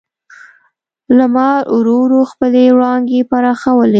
لمر ورو ورو خپلې وړانګې پراخولې.